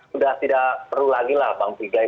sudah tidak perlu lagi lah bang pigai